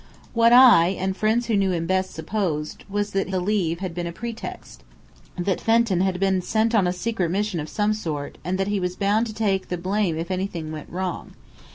What I and friends who knew him best supposed, was that the "leave" had been a pretext that Fenton had been sent on a secret mission of some sort and that he was bound to take the blame if anything went wrong.